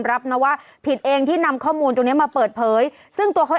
รับนะว่าผิดเองที่นำข้อมูลตรงเนี้ยมาเปิดเผยซึ่งตัวเขา